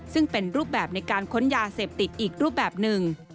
ซึ่งเป็นรูปแบบในการค้นยาเสพติดอีกรูปแบบหนึ่ง